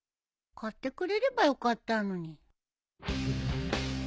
買ってくれればよかったのに。